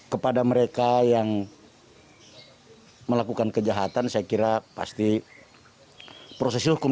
kepada mereka yang melakukan kejahatan saya kira pasti prosesi hukum